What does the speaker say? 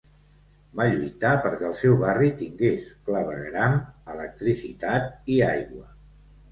Va lluitar perquè el seu barri tingués clavegueram, electricitat i aigua.